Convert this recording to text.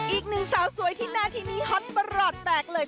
อีกหนึ่งสาวสวยที่หน้าที่นี้ฮอตประหลอดแตกเลย